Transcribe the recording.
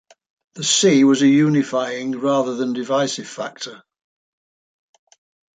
The sea was a unifying rather than divisive factor.